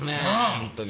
本当に。